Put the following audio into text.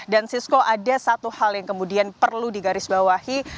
dan cisco ada satu hal yang kemudian perlu digarisbawahi